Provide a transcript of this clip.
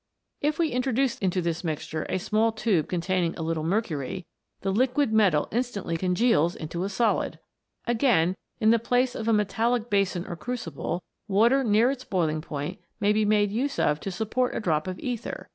If we introduce into this mixture a small tube containing a little mercury, the liquid metal instantly congeals into a solid !* Again, in the place of a metallic basin or crucible, water near its boiling point may be made use of to support a drop of ether.